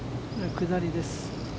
下りです。